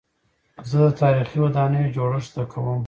زه د تاریخي ودانیو جوړښت زده کوم.